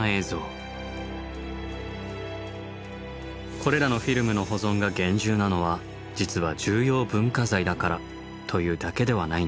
これらのフィルムの保存が厳重なのは実は重要文化財だからというだけではないんです。